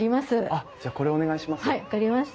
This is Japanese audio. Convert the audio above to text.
あっじゃこれお願いします。